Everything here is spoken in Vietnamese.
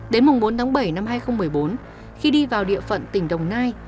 đến bốn tháng bảy năm hai nghìn một mươi bốn khi đi vào địa phận tỉnh đồng nai